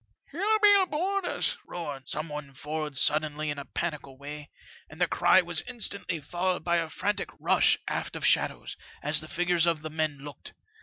"' It'll be aboard us !' roared some one forward suddenly in a panical way, and the cry was instantly followed by a frantic rush aft of shadows, as the figures of the men looked.